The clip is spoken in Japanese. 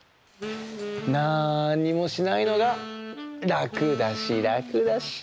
なんにもしないのがらくだしらくだし。